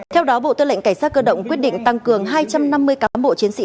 theo đó bộ tư lệnh cảnh sát cơ động quyết định tăng cường hai trăm năm mươi cán bộ chiến sĩ